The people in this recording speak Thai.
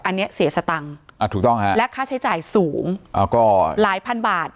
อันนี้เสียสตังค์และค่าใช้จ่ายสูงหลายพันบาท